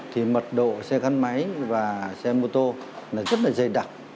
thì mật độ xe gắn máy và xe mô tô là rất là dày đặc